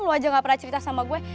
lu aja gak pernah cerita sama gue